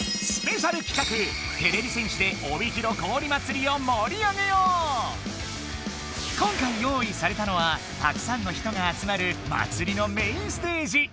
てれび戦士で今回用意されたのはたくさんの人があつまるまつりのメインステージ。